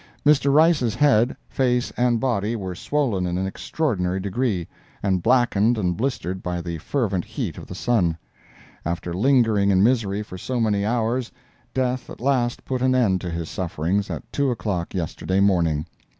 Mr. Rice's head, face and body were swollen in an extraordinary degree, and blackened and blistered by the fervent heat of the sun. After lingering in misery for so many hours, death at last put an end to his sufferings at two o'clock yesterday morning.